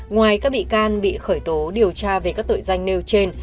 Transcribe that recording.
ngoài các bị can bị khởi tố điều tra về các tội danh nêu trên